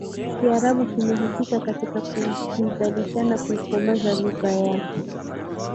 Kiarabu kimehusika katika kuizalishana kuikomaza lugha ya